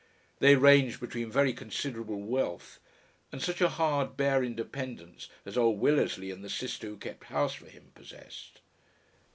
They ranged between very considerable wealth and such a hard, bare independence as old Willersley and the sister who kept house for him possessed.